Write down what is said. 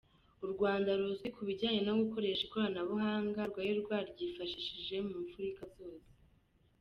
U Rwanda ruzwi ku bijyanye no gukoresha ikoranabuhanga rwari rwaryifashishije mu mfuruka zose.